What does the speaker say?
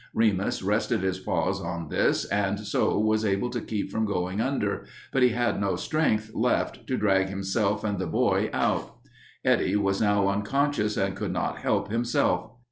Remus rested his paws on this and so was able to keep from going under, but he had no strength left to drag himself and the boy out. Eddie was now unconscious, and could not help himself.